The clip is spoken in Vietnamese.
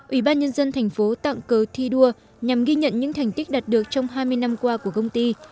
ủy ban nhân dân thành phố tặng cớ thi đua nhằm ghi nhận những thành tích đạt được trong hai mươi năm qua của công ty